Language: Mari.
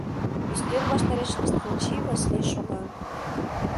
Ӱстел ваштареш Кстинчий Васлий шога.